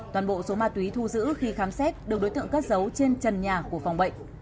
toàn bộ số ma túy thu giữ khi khám xét được đối tượng cất dấu trên trần nhà của phòng bệnh